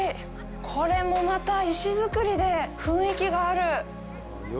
これもまた石造りで雰囲気がある。